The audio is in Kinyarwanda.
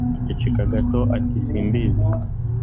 aceceka gato ati 'simbizi